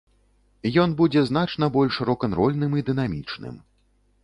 Ён будзе значна больш рок-н-рольным і дынамічным.